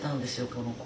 この子。